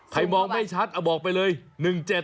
ใครมองไม่ชัดอ้าวบอกไปเลยหนึ่งเจ็ด